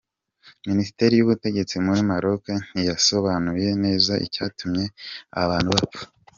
Minisiteri y’Ubutegetsi muri Maroc ntiyasobanuye neza icyatumye aba bantu bapfa.